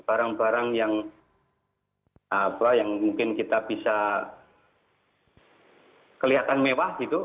barang barang yang mungkin kita bisa kelihatan mewah gitu